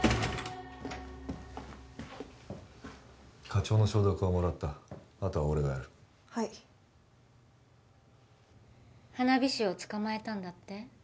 課長の承諾はもらったあとは俺がやるはい花火師を捕まえたんだって？